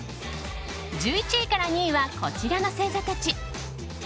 １１位から２位はこちらの星座たち。